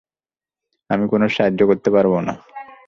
আমি কোনো সাহায্য করতে পারবো না।